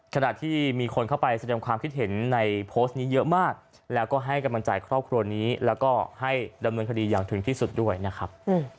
ขณะที่มีคนเข้าไปแสดงความคิดเห็นในโพสต์นี้เยอะมากแล้วก็ให้กำลังใจครอบครัวนี้แล้วก็ให้ดำเนินคดีอย่างถึงที่สุดด้วยนะครับ